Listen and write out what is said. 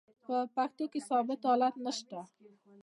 په پښتو کښي ثابت حالت نسته.